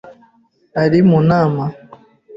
Ari mu nama